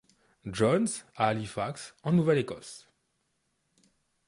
John's, à Halifax, en Nouvelle-Écosse.